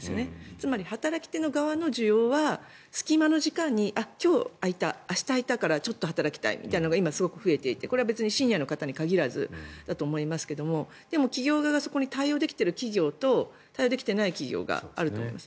つまり、働き手の側の需要は隙間の時間に今日、空いた明日空いたからちょっと働きたいみたいなのが増えていてこれはシニアの方に限らずだと思いますがでも、企業側がそこに対応できている企業と対応できてない企業があると思います。